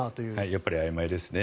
やっぱりあいまいですね。